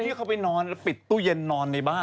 ที่เขาไปนอนแล้วปิดตู้เย็นนอนในบ้าน